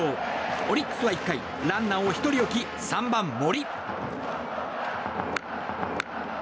オリックスは１回ランナーを１人置き３番、森。